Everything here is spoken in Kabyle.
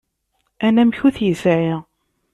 Anamek ur t-yesɛi.